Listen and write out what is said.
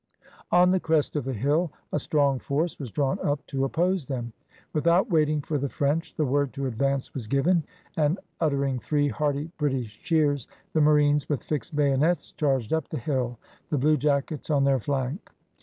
On the crest of the hill a strong force was drawn up to oppose them. Without waiting for the French the word to advance was given, and uttering three hearty British cheers, the marines with fixed bayonets charged up the hill, the bluejackets on their flank.